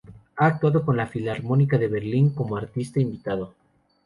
Ha actuado con la Filarmónica de Berlín como artista invitado.